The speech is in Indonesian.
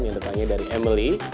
yang ditanya dari emily